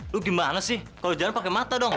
lu gimana sih kalo jalan pake mata dong